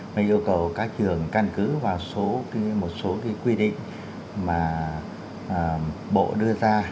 mình yêu cầu các trường căn cứ vào một số quy định mà bộ đưa ra